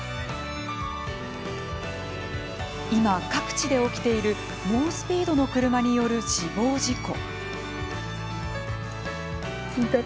今各地で起きている猛スピードの車による死亡事故。